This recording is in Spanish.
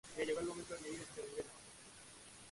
Algunos tienen, además, los estatus de municipio y ciudad.